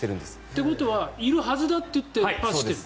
ということはいるはずだってパスしてる？